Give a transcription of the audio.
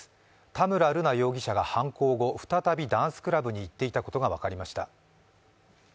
田村瑠奈容疑者が犯行後、再びダンスクラブに行っていたことが分かりました。